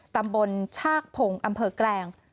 ตำบลชากผงอำเภอกแกรง